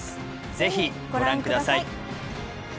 ぜひご覧ください